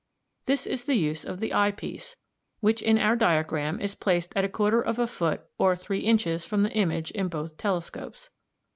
This is the use of the eye piece, which in our diagram is placed at a quarter of a foot or three inches from the image in both telescopes.